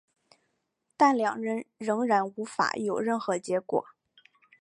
但两人仍然无法有任何结果。